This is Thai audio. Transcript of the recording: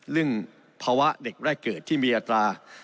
เรื่องภาวะเด็กแรกเกิดที่มีอัตรา